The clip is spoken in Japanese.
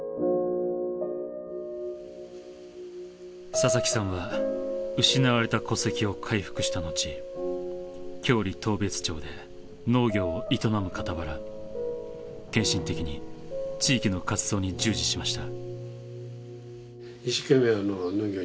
佐々木さんは失われた戸籍を回復したのち郷里当別町で農業を営む傍ら献身的に地域の活動に従事しました。